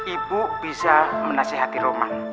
ibu bisa menasehati roman